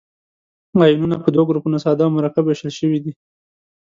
آیونونه په دوه ګروپو ساده او مرکب ویشل شوي دي.